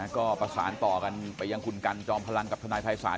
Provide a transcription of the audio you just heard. ก็ประสานต่อกันไปยังคุณกันจอมพลังกับทนายภัยศาล